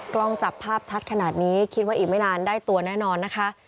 กล้องจับภาพชัดขนาดนี้คิดว่าอีกไม่นานได้ตัวแน่นอนนะคะ